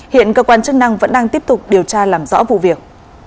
hiện cơ quan chức năng vẫn đang tiếp tục điều tra làm rõ vụ việc